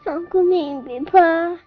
aku mimpi pa